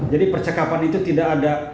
jadi percakapan itu tidak ada